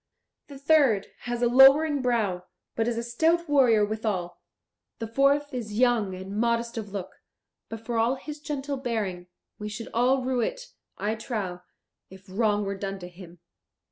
The third has a lowering brow, but is a stout warrior withal; the fourth is young and modest of look, but for all his gentle bearing, we should all rue it, I trow, if wrong were done to him."